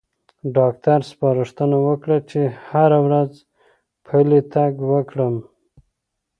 ډاکټر سپارښتنه وکړه چې هره ورځ پلی تګ وکړم.